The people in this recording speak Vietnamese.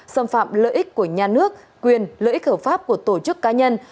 xâm phạm lợi ích của nhà nước quyền lợi ích hợp pháp của tổ chức cá nhân